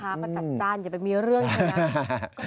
แม่ค้าก็จัดจ้านอย่าไปเมียเรื่องเถอะนะ